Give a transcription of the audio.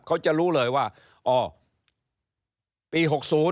เขาจะรู้เลยว่าอ๋อปี๖๐